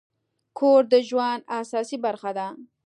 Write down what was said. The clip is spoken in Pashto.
کور د ژوند اساسي برخه ده.